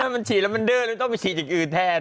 นี่มันฉี่แล้วมันเดินเลยงั้นต้องไปฉี่อีกอืนแทน